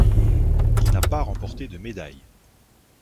Il n'a pas remporté de médailles.